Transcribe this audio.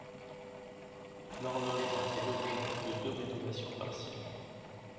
L'horloge a fait l'objet de deux rénovations partielles.